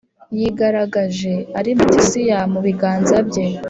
yigaragaje ari matisiya mu biganza bye.